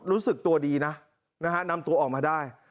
รู้สึกตัวดีนะนะฮะนำตัวออกมาได้